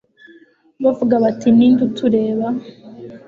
bavuga bati ni nde utureba